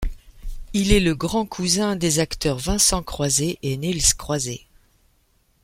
Il est le grand-cousin des acteurs Vincent Croiset et Niels Croiset.